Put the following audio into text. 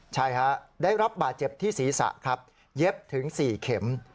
ใช่ฮะได้รับบาดเจ็บที่ศีรษะครับเย็บถึง๔เข็ม